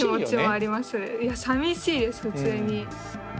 いやさみしいです普通に。